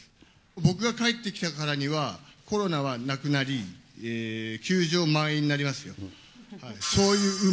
僕が帰ってきたからには、コロナはなくなり、球場満員になりますよ。